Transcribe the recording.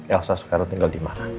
elsa sekarang tinggal di mana